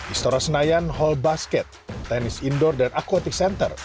istora senayan hall basket tenis indoor dan aquatic center